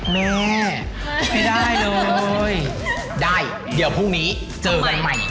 แม่ไม่ได้เลยได้เดี๋ยวพรุ่งนี้เจอกันใหม่